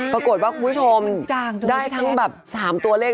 ปรากฏว่าคุณผู้ชมได้ทั้งแบบ๓ตัวเลข